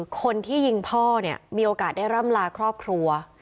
คนที่ยิงพ่อเนี่ยมีโอกาสได้ร่ำลาครอบครัว